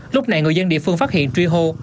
lúc này người dân địa phương phát hiện truy hô